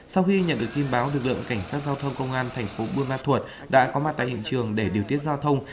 sau khi nhận được tin báo lực lượng cảnh sát giao thông công an thành phố buôn ma thuột đã có mặt tại hiện trường để điều tiết giao thông